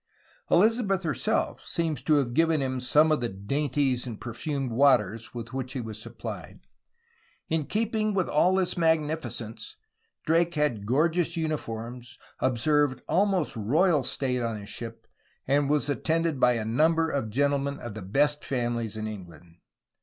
Elizabeth herself seems to have given him some of the '^dainties and perfumed waters'' with which he was supplied. In keeping with all this magnificence, Drake had gorgeous uniforms, observed almost royal state on his ship, and was attended by a number of gentlemen of the best famihes in England.